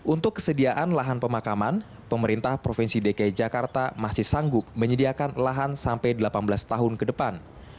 untuk kesediaan lahan pemakaman pemerintah provinsi dki jakarta masih sanggup menyediakan lahan sampai delapan belas tahun ke depan